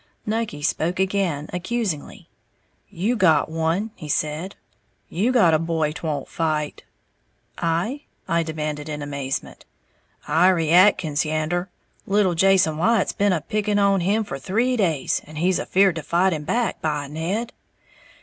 Nucky spoke again, accusingly, "You got one," he said; "you got a boy 't won't fight!" "I?" I demanded in amazement. "Iry Atkins yander. Little Jason Wyatt's been a picking on him for three days, and he's afeared to fight him back, by Ned!"